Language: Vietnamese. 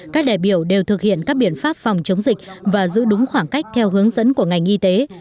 các đại biểu đều thực hiện các biện pháp phòng chống dịch và giữ đúng khoảng cách theo hướng dẫn của ngành y tế